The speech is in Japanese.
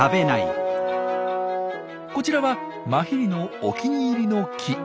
こちらはマヒリのお気に入りの木。